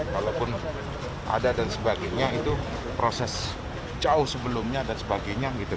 walaupun ada dan sebagainya itu proses jauh sebelumnya dan sebagainya gitu